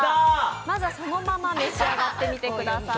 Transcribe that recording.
まずはそのまま召し上がってみてください。